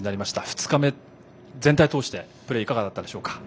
２日目、全体を通してプレーはいかがでしたか？